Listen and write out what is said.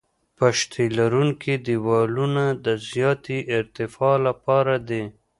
پشتي لرونکي دیوالونه د زیاتې ارتفاع لپاره دي